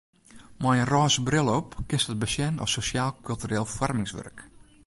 Mei in rôze bril op kinst it besjen as sosjaal-kultureel foarmingswurk.